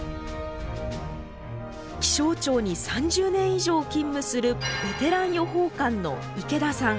気象庁に３０年以上勤務するベテラン予報官の池田さん。